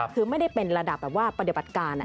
คือไม่ได้เป็นระดับปฏิบัติการ